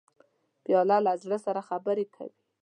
پیاله له زړه سره خبرې کوي.